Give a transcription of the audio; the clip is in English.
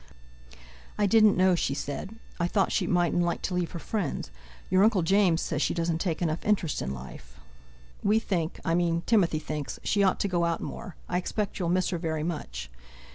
"I didn't know," she said; "I thought she mightn't like to leave her friends. Your Uncle James says she doesn't take enough interest in life. We think—I mean Timothy thinks—she ought to go out more. I expect you'll miss her very much!"